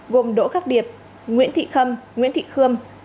gồm đỗ khắc điệp nguyễn thị khâm nguyễn thị khương